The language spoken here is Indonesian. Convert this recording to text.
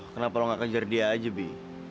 kenapa lo gak kejar dia aja bi